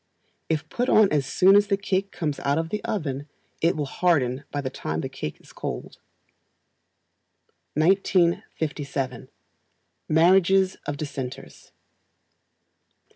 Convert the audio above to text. If put on as soon as the cake comes out of the oven, it will harden by the time the cake is cold. 1957. Marriages of Dissenters.